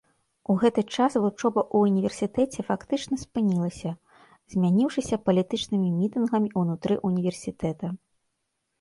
У гэты час вучоба ў універсітэце фактычна спынілася, змяніўшыся палітычнымі мітынгамі ўнутры універсітэта.